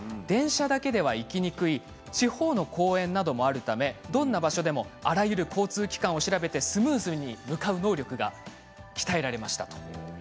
電車だけでは行きにくい地方の公演などもあるためどんな場所でもあらゆる交通機関を調べてスムーズに向かう能力が鍛えられました。